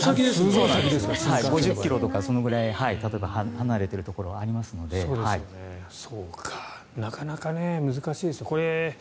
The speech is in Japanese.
５０ｋｍとかそれぐらい離れているところがありますからなかなか難しいですね。